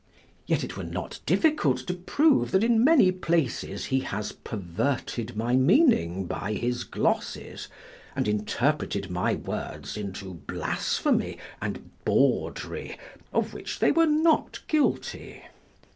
Yet it were not difficult to prove that in many places he has perverted my meaning by his glosses, and interpreted my words into blasphemy and bawdry, of which they were not guilty.